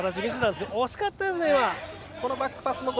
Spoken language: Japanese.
惜しかったですね、今。